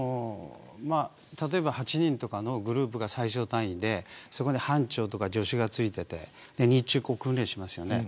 例えば８人とかのグループが最小単位でそこに班長とか助手がついていて日中訓練しますよね。